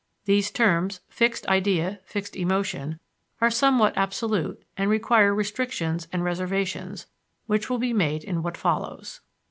These terms fixed idea, fixed emotion are somewhat absolute and require restrictions and reservations, which will be made in what follows.